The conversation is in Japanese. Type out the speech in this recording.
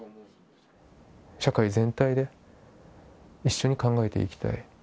社会全体で一緒に考えていきたい。